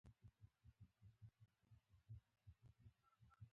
پکورې د ښایسته ماښام یو برخه ده